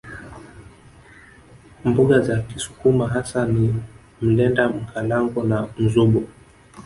Mboga za kisukuma hasa ni mlenda Mkalango na mzubo